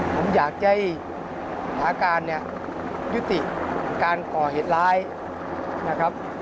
ผมอยากใจอาการยุติประกอบต่อเหตุร้ายนะครับ